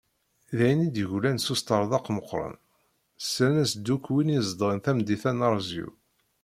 D ayen i d-yeglan s usṭerḍeq meqqren, slan-as-d yakk wid i izedɣen tamdint-a n Arezyu.